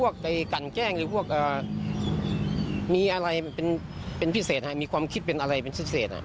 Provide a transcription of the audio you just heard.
กันแกล้งหรือพวกมีอะไรเป็นพิเศษมีความคิดเป็นอะไรเป็นพิเศษ